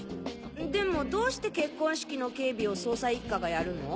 でもどうして結婚式の警備を捜査一課がやるの？